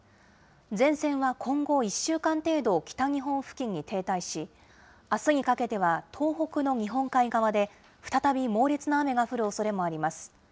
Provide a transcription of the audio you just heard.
前線は今後１週間程度、北日本付近に停滞し、あすにかけては、東北の日本海側で再び猛烈な雨が降るおそれもあります。